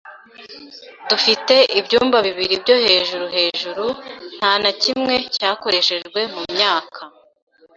Dufite ibyumba bibiri byo hejuru hejuru, nta na kimwe cyakoreshejwe mu myaka.